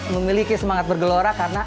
memiliki semangat bergelora karena